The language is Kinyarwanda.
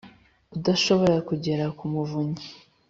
Udashobora kugera ku Muvunyi,